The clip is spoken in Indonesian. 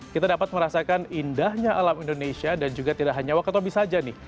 kita dapat merasakan indahnya alam indonesia dan juga tidak hanya wakatobi saja nih